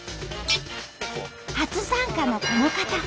初参加のこの方。